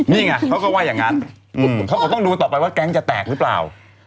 นี่ไงเขาก็ว่าอย่างนั้นเขาก็ต้องดูกันต่อไปว่าแก๊งจะแตกหรือเปล่า